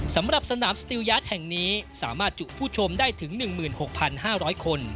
สำหรับสนามสติลยาทแห่งนี้สามารถจุผู้ชมได้ถึง๑๖๕๐๐คน